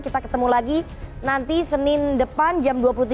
kita ketemu lagi nanti senin depan jam dua puluh tiga